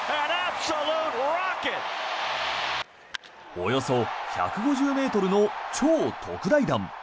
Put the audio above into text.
およそ１５０ｍの超特大弾。